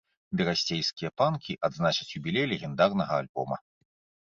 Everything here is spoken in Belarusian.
Берасцейскія панкі адзначаць юбілей легендарнага альбома.